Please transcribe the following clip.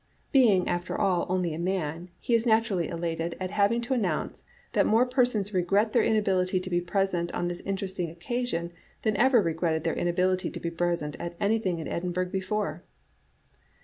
" Being (after all) only a man, he is naturally elated at having to announce that more persons regret their inability to be present on this interesting occasion than ever regretted their inability to be present at anything in Edinburgh before."